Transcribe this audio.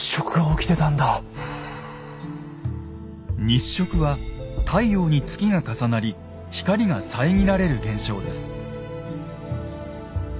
日食は太陽に月が重なり光が遮られる現象です。